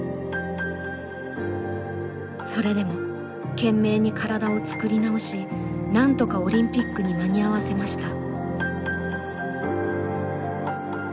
それでも懸命に体を作り直しなんとかオリンピックに間に合わせました。